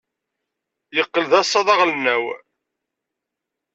Yeqqel d asaḍ aɣelnaw.